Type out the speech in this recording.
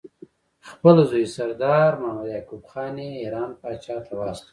خپل زوی سردار محمد یعقوب خان یې ایران پاچا ته واستاوه.